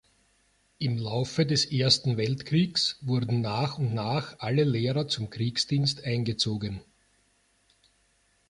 Im Laufe des Ersten Weltkriegs wurden nach und nach alle Lehrer zum Kriegsdienst eingezogen.